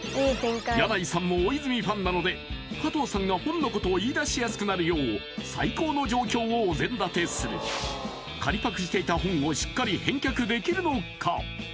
箭内さんも大泉ファンなので加藤さんが本のことを言い出しやすくなるよう最高の状況をお膳立てする借りパクしていた本をしっかり返却できるのか？